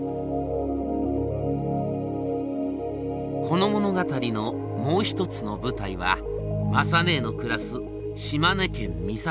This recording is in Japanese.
この物語のもう一つの舞台は雅ねえの暮らす島根県美郷町。